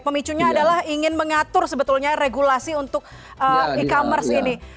pemicunya adalah ingin mengatur sebetulnya regulasi untuk e commerce ini